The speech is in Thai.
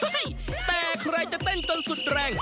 โหว้ยยยยแต่ใครจะแต้นจนสุดแรง